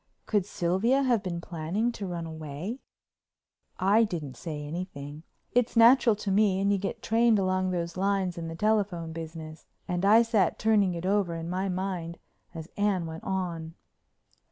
Could Sylvia have been planning to run away? I didn't say anything—it's natural to me and you get trained along those lines in the telephone business—and I sat turning it over in my mind as Anne went on.